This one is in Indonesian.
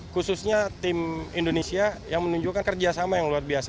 khususnya tim indonesia yang menunjukkan kerjasama yang luar biasa